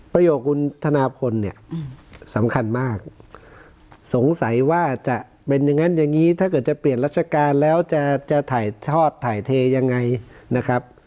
คุณธนาพลเนี่ยสำคัญมากสงสัยว่าจะเป็นอย่างนั้นอย่างนี้ถ้าเกิดจะเปลี่ยนราชการแล้วจะถ่ายทอดถ่ายเทยังไงนะครับ